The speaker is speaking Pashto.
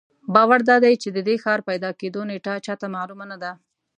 باور دادی چې د دې ښار پیدا کېدو نېټه چا ته معلومه نه ده.